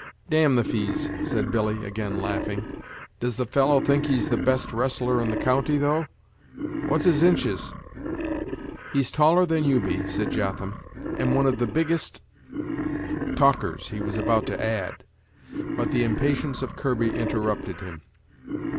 "Damn the fees," said Billy, again laughing "does the fellow think he's the best wrestler in the county, though? what's his inches?" "He's taller than you be," said Jotham, "and one of the biggest " Talkers, he was about to add, but the impatience of Kirby interrupted him.